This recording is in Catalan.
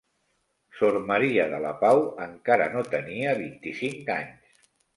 Sor Maria de la Pau encara no tenia vint-i-cinc anys.